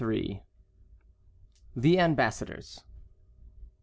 THE AMBASSADORS.